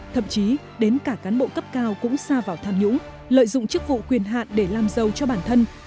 thậm chí đến cả cán bộ cấp cao cũng xa vào tham nhũng lợi dụng chức vụ quyền hạn để làm giàu cho bản thân